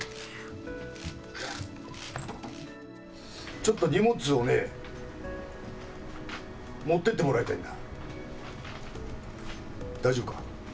ちょっと荷物を持ってってもらいたいんだ。